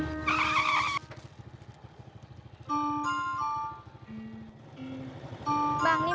yang yang menangir